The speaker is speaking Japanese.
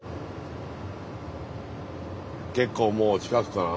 結構もう近くかな？